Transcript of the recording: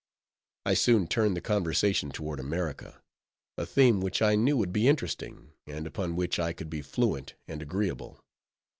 I soon turned the conversation toward America, a theme which I knew would be interesting, and upon which I could be fluent and agreeable.